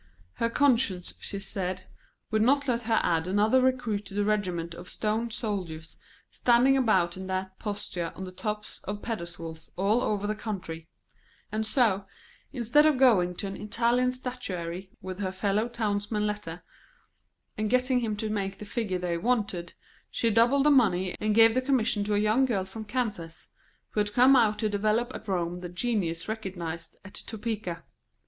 Her conscience, she said, would not let her add another recruit to the regiment of stone soldiers standing about in that posture on the tops of pedestals all over the country; and so, instead of going to an Italian statuary with her fellow townsmen's letter, and getting him to make the figure they wanted, she doubled the money and gave the commission to a young girl from Kansas, who had come out to develop at Rome the genius recognised at Topeka.